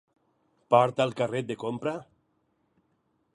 Porta el carret de compra?